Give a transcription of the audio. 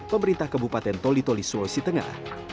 pemerintah kebupaten tolitoli sulawesi tengah